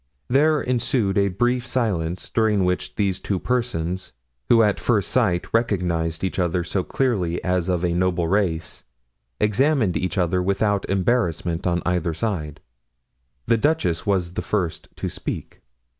There ensued a brief silence, during which these two persons, who at first sight recognized each other so clearly as of noble race, examined each other without embarrassment on either side. The duchess was the first to speak.